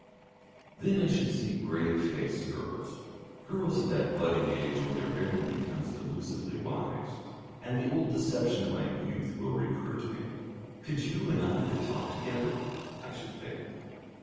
Then I should see grave faced girls, girls of that budding age when their bearing becomes delusively wise, and the old deception of my youth will recur to me; "Could you and I but talk together?" I should think.